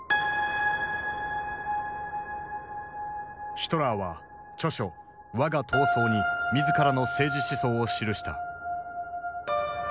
ヒトラーは著書「わが闘争」に自らの政治思想を記した。